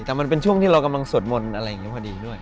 แต่มันเป็นช่วงที่เรากำลังสวดมนต์อะไรอย่างนี้พอดีด้วย